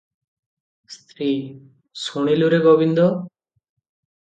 ସ୍ତ୍ରୀ -ଶୁଣିଲୁରେ ଗୋବିନ୍ଦ!